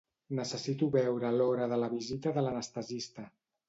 Necessito veure l'hora de la visita de l'anestesista.